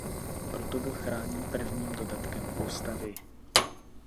Proto byl chráněn prvním dodatkem ústavy.